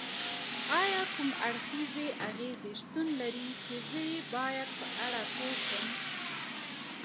ایا کوم اړخیزې اغیزې شتون لري چې زه یې باید په اړه پوه شم؟